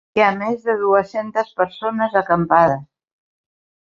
Hi ha més de dues-centes persones acampades